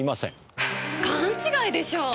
勘違いでしょう。